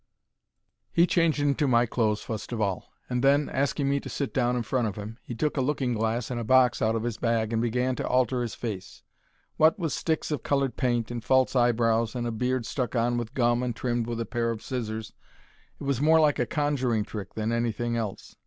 He changed into my clothes fust of all, and then, asking me to sit down in front of 'im, he took a looking glass and a box out of 'is bag and began to alter 'is face. Wot with sticks of coloured paint, and false eyebrows, and a beard stuck on with gum and trimmed with a pair o' scissors, it was more like a conjuring trick than anything else.